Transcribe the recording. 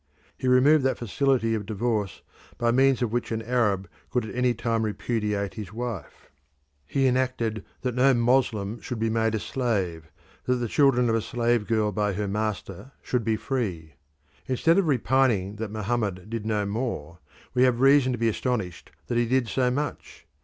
He removed that facility of divorce by means of which an Arab could at any time repudiate his wife: he enacted that no Moslem should be made a slave, that the children of a slave girl by her master should be free. Instead of repining that Mohammed did no more, we have reason to be astonished that he did so much.